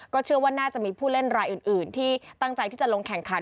เชื่อว่าน่าจะมีผู้เล่นรายอื่นที่ตั้งใจที่จะลงแข่งขัน